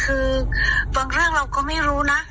คือบางเรื่องเราก็ไม่รู้นะ